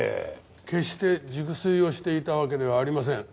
決して熟睡をしていたわけではありません。